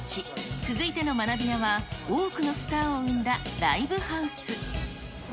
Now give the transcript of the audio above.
続いての学びやは、多くのスターを生んだライブハウス。